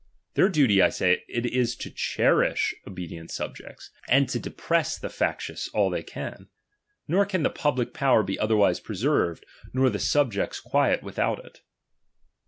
Their duty, I say, it ia to cherish obedient subjects, and to de press the factious all they can ; nor can the public power be otherwise preserved, nor the subjects' quiet without it.